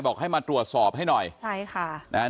บอกให้มาตรวจสอบให้หน่อยใช่ค่ะนะฮะ